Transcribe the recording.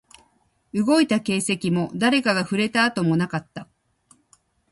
動いた形跡も、誰かが触れた跡もなかった